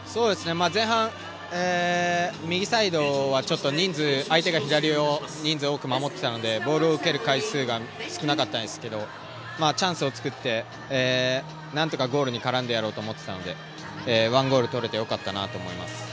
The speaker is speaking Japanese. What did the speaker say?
前半、右サイドはちょっと相手が左を人数多く守ってたのでボールを受ける回数が少なかったんですけどチャンスを作って何とかゴールに絡んでやろうと思っていたので１ゴール取れて良かったなと思います。